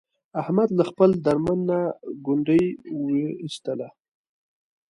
احمد له خپل درمند نه ګونډی و ایستلا.